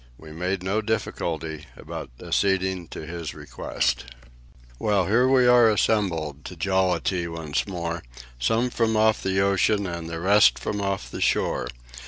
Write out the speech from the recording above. We made no difficulty about acceding to his request: Well, here we are assembled to jollity once more, Some from off the ocean and the rest from off the shore.